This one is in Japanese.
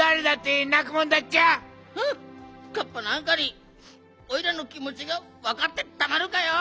ふんっカッパなんかにおいらのきもちがわかってたまるかよ！